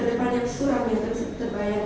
depannya pesurah yang terbayang